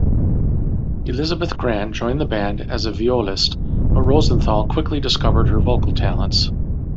Elysabeth Grant joined the band as violist, but Rosenthal quickly discovered her vocal talents.